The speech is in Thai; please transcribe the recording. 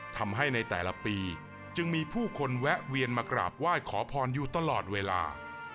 ทำให้ในแต่ละปีจึงมีผู้คนแวะเวียนมากราบไหว้ขอพรอยู่ตลอดเวลา